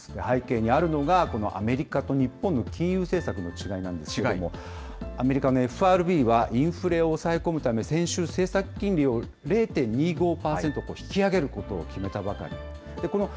背景にあるのがこのアメリカと日本の金融政策の違いなんですけれども、アメリカのＦＲＢは、インフレを抑え込むため、先週、政策金利を０．２５％引き上げることを決めたばかりです。